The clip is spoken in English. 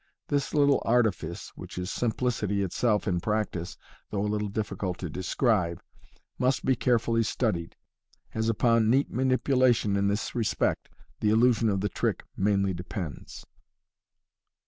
This little artifice (which is simplicity itself in practice, though a little difficult to describe) must be carefully studied, as upon neat manipulation in this respect the illusion of the trick mainly depends.